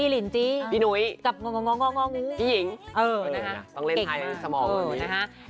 พี่หนุ๊ยพี่หญิงต้องเล่นไทยสมองกว่านี้นะฮะเป็นเก่งมาก